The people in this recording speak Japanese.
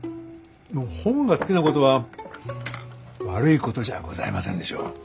本が好きなことは悪いことじゃございませんでしょう？